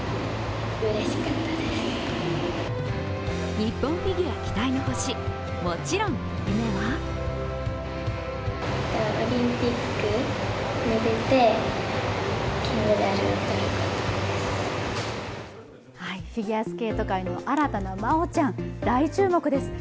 日本フィギュア期待の星、もちろん夢はフィギュアスケート界の新たな麻央ちゃん、大注目です。